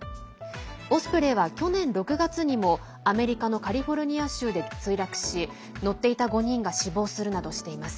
オスプレイは去年６月にもアメリカのカリフォルニア州でも墜落し乗っていた５人が死亡するなどしています。